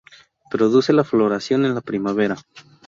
Produce la floración en la primavera.